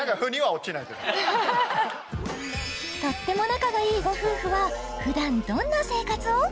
仲がいいご夫婦は普段どんな生活を？